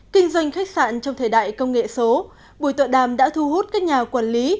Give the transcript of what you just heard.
kinh doanh khách sạn trong thời đại công nghệ số buổi tọa đàm đã thu hút các nhà quản lý